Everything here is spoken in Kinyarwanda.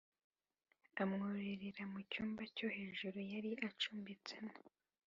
amwurirana mu cyumba cyo hejuru yari acumbitsemo